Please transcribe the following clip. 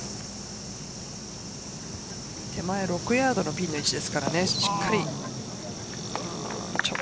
手前６ヤードのピンの位置ですからね。